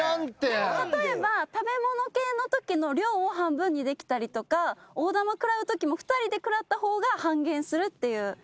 例えば食べ物系のときの量を半分にできたりとか大玉食らうときも２人で食らった方が半減するっていう。